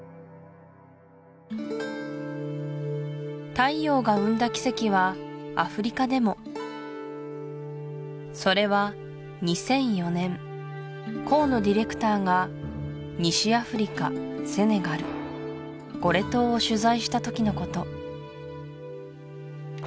太陽が生んだ奇跡はアフリカでもそれは２００４年河野ディレクターが西アフリカセネガルゴレ島を取材した時のこと